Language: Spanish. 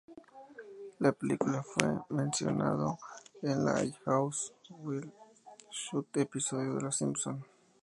La película fue mencionado en la "Jaws Wired Shut" episodio de Los Simpson.